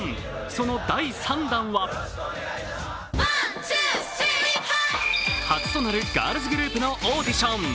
その第３弾は初となるガールズグループのオーディション。